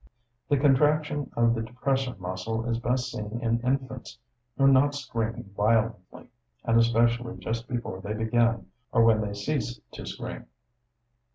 The contraction of the depressor muscle is best seen in infants when not screaming violently, and especially just before they begin, or when they cease to scream.